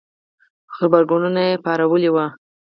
غبرګونونه پارولي